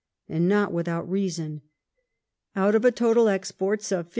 And not without reason. Out of total exports of i?